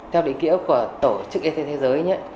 theo định nghĩa của tổ chức y tế thế giới